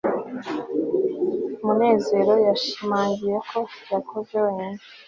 munezero yashimangiye ko yakoze wenyine